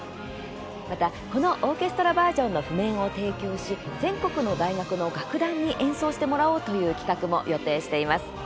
また、このオーケストラバージョンの譜面を提供し、全国の大学の楽団に演奏してもらおうという企画も予定しています。